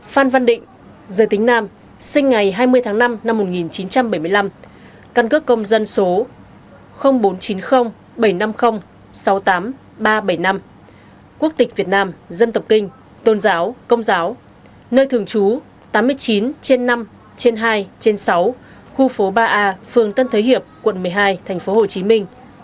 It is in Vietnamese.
hai phan văn định giới tính nam sinh ngày hai mươi tháng năm năm một nghìn chín trăm bảy mươi năm căn cước công dân số bốn chín không bảy năm không sáu tám ba bảy năm quốc tịch việt nam dân tộc kinh tôn giáo công giáo nơi thường trú tám mươi chín trên năm trên hai trên sáu khu phố ba a phường tân thới hiệp quận một mươi hai thành phố hồ chí minh